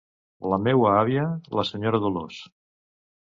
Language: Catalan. La meua àvia, la senyora Dolors.